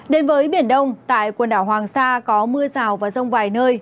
đến với biển đông tại quần đảo hoàng sa có mưa rào và rông vài nơi